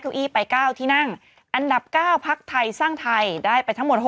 เก้าอี้ไป๙ที่นั่งอันดับ๙พักไทยสร้างไทยได้ไปทั้งหมด๖